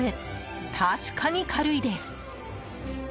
確かに軽いです。